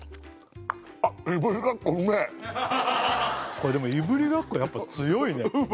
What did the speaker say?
これでもいぶりがっこやっぱ強いねうめえ！